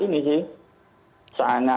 ini sih sangat